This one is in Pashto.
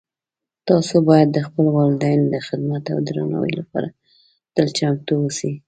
تاسو باید د خپلو والدینو د خدمت او درناوۍ لپاره تل چمتو اوسئ